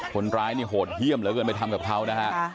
คนร้ายนี่โหดเยี่ยมเหลือเกินไปทำกับเขานะฮะ